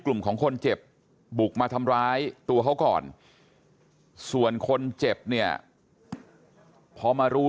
กลุ่มของคนเจ็บบุกมาทำร้ายตัวเขาก่อนส่วนคนเจ็บเนี่ยพอมารู้